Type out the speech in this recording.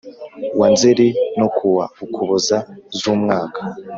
Wa nzeli no ku wa ukuboza z umwaka